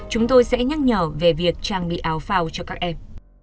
chúng tôi sẽ nhắc nhở về việc trang bị áo phao cho các em